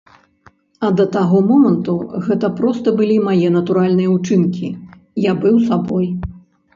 А да таго моманту гэта проста былі мае натуральныя ўчынкі, я быў сабой.